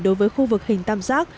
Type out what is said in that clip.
đối với khu vực hình tam giác